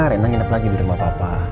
renang nginep lagi di rumah papa